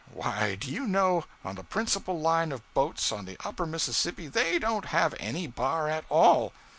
Why, do you know, on the principal line of boats on the Upper Mississippi, they don't have any bar at all!